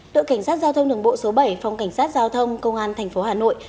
đội cảnh sát giao thông đường bộ số bảy phòng cảnh sát giao thông công an tp hà nội